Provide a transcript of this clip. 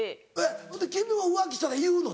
君も浮気したら言うの？